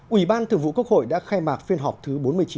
ủy ban thượng vụ quốc hội đã khai mạc phiên họp thứ bốn mươi chín